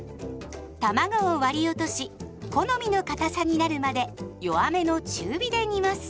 たまごを割り落とし好みのかたさになるまで弱めの中火で煮ます。